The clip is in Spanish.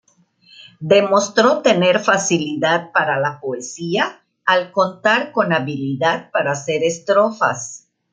Demostró tener facilidad para la poesía, al contar con habilidad para hacer estrofas.